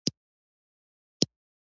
نوره لیکنه یې ځنې ایستلې ده.